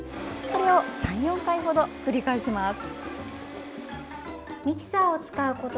これを３４回程繰り返します。